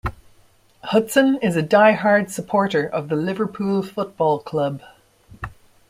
Hutson is a die-hard supporter of the Liverpool Football Club.